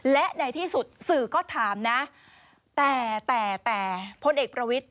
และในที่สุดสื่อก็ถามนะ